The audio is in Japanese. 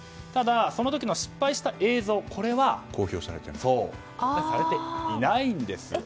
ただ、その時の失敗した映像は公表されていないんです。